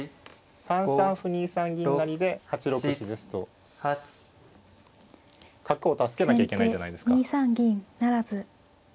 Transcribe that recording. ３三歩２三銀成で８六飛ですと角を助けなきゃいけないじゃないですか。